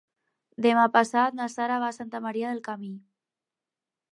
Demà passat na Sara va a Santa Maria del Camí.